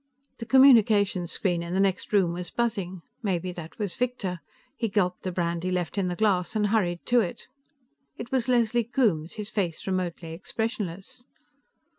The communication screen in the next room was buzzing. Maybe that was Victor. He gulped the brandy left in the glass and hurried to it. It was Leslie Coombes, his face remotely expressionless.